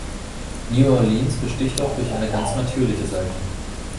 New Orleans besticht auch durch eine ganz natürliche Seite.